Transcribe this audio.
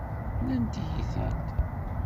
Nnant-iyi-t-id.